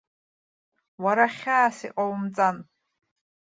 Уара хьаас иҟоумҵан.